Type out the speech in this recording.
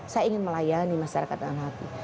saya ingin melayani masyarakat dengan hati